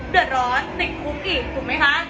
เดือดร้อนติดคุกอีกถูกไหมคะ